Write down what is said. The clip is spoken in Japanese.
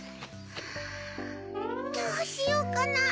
どうしようかなぁ。